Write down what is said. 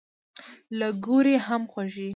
له ګوړې هم خوږې.